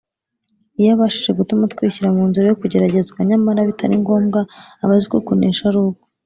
. Iyo abashije gutuma twishyira mu nzira yo kugeragezwa nyamara bitari ngombwa, aba azi ko kunesha ari ukwe